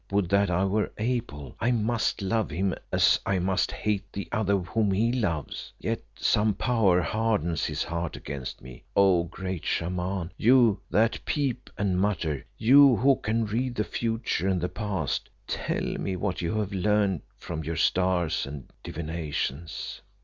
Would that I were able. I must love him as I must hate the other whom he loves, yet some power hardens his heart against me. Oh! great Shaman, you that peep and mutter, you who can read the future and the past, tell me what you have learned from your stars and divinations."